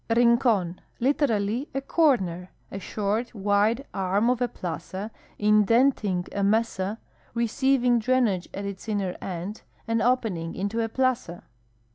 Rincon. — Literally a corner ; a short, wide arm of a plaza indenting a mesa, receiving drainage at its inner end, and opening into a plaza.